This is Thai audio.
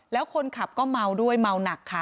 แล้วคนขับก็เมาด้วยเมาหนักค่ะ